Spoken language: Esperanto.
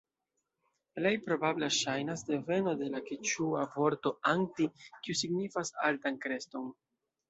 Plej probabla ŝajnas deveno de la keĉua vorto "anti", kiu signifas altan kreston.